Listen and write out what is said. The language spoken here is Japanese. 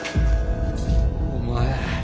お前